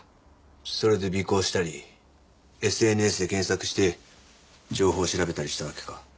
それで尾行したりＳＮＳで検索して情報を調べたりしたわけか。